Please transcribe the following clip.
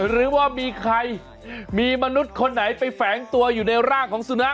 หรือว่ามีใครมีมนุษย์คนไหนไปแฝงตัวอยู่ในร่างของสุนัข